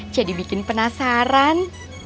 jadi bikin penasaran